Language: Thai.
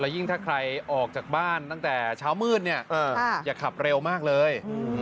ยิ่งถ้าใครออกจากบ้านตั้งแต่เช้ามืดเนี่ยอย่าขับเร็วมากเลย